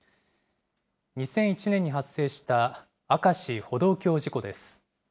２００１年に発生した、明石歩道橋事故です。